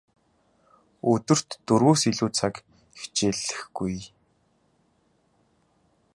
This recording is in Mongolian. Өдөрт дөрвөөс илүү цаг хичээллэхгүй.